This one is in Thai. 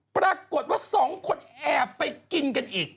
ปรากฏว่าสองคนแอบไปกินกันอีก